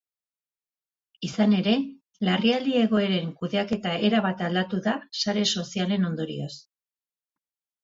Izan ere, larrialdi egoeren kudeaketa erabat aldatu da sare sozialen ondorioz.